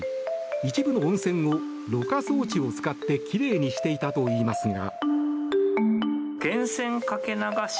一部の温泉を、ろ過装置を使ってきれいにしていたといいますが。